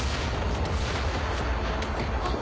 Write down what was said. あっ！